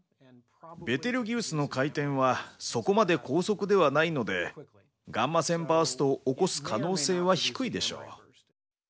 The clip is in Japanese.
ベテルギウスの回転はそこまで高速ではないのでガンマ線バーストを起こす可能性は低いでしょう。